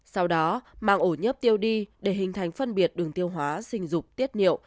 sau đó màng ổ nhớp tiêu đi để hình thành phân biệt đường tiêu hóa sinh dục tiết niệu